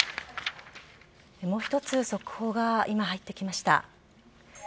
もう一つ速報が今、入ってきました。